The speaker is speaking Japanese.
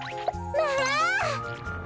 まあ！